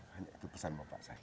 hanya itu pesan bapak saya